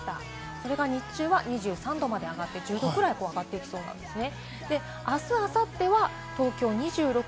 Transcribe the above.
それが日中は２３度まで上がって１０度くらい上がってきそうなんですね。